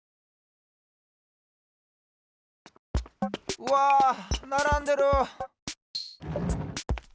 うわならんでる！